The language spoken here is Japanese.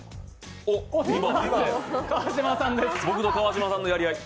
僕と川島さんのやり合い。